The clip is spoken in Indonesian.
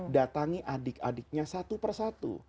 datangi adik adiknya satu persatu